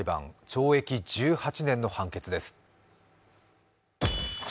懲役１８年の判決です。